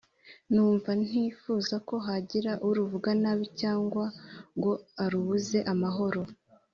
numva ntifuza ko hagira uruvuga nabi cyangwa ngo arubuze amahoro.